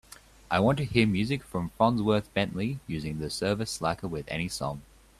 I want to hear music from Fonzworth Bentley using the service slacker with any song